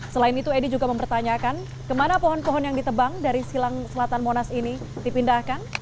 selain itu edy juga mempertanyakan kemana pohon pohon yang ditebang dari silang selatan monas ini dipindahkan